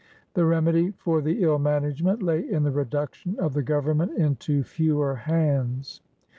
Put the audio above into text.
The remedy for the ill management lay in the reduction of the Government into fewer hands.